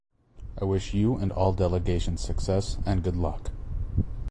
I wish you and all delegations success and good luck.